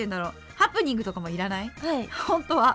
ハプニングとかもいらないホントは。